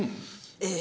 ええ。